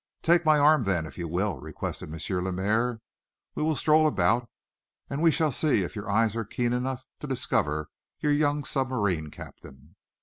"Take my arm, then, if you will," requested M. Lemaire. "We will stroll about, and we shall see if your eyes are keen enough to discover your young submarine captain."